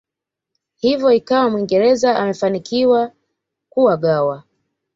Hivyo ikawa muingereza amefanikiwa kuwagawa